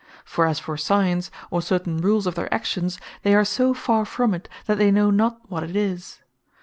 For as for Science, or certain rules of their actions, they are so farre from it, that they know not what it is.